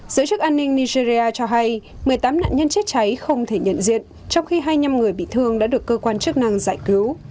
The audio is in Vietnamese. giới chức an ninh nigeria cho hay một mươi tám nạn nhân chết cháy không thể nhận diện trong khi hai mươi năm người bị thương đã được cơ quan chức năng giải cứu